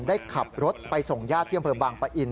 ได้ขับรถไปส่งญาติเที่ยงเผิมวางประอิล